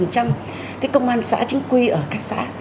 cái công an xã chứng quy ở các xã